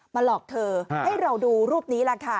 หลอกเธอให้เราดูรูปนี้ล่ะค่ะ